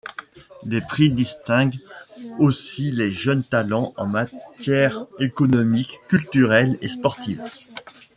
Des prix distinguent aussi les jeunes talents en matière économique, culturelle et sportive.